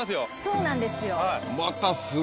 そうなんですよ。